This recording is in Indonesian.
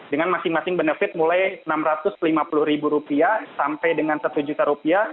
dengan masing masing benefit mulai rp enam ratus lima puluh sampai dengan rp satu